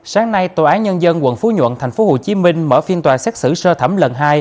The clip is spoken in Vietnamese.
sáng nay tòa án nhân dân quận phú nhuận tp hcm mở phiên tòa xét xử sơ thẩm lần hai